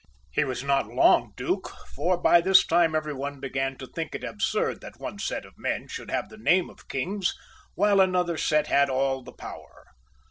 He was not long duke, for by this time every one began to think it absurd that one set of /^men should have the name of kings, while another set had all the power.